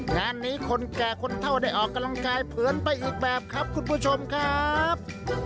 งานนี้คนแก่คนเท่าได้ออกกำลังกายเผินไปอีกแบบครับคุณผู้ชมครับ